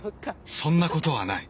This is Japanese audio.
そんなことはない。